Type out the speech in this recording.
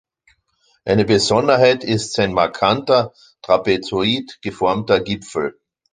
Eine Besonderheit ist sein markanter trapezoid geformter Gipfel.